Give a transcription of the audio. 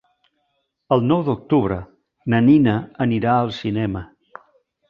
El nou d'octubre na Nina anirà al cinema.